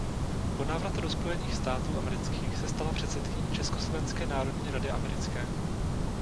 Po návratu do Spojených států amerických se stala předsedkyní Československé národní rady americké.